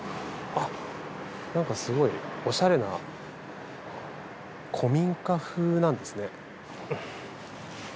なんかすごいおしゃれな古民家風なんですね。